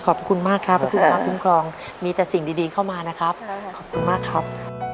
ขอบคุณมากครับพระคุณพระคุ้มครองมีแต่สิ่งดีเข้ามานะครับขอบคุณมากครับ